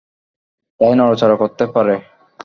তাই নড়াচড়া করতে পারে।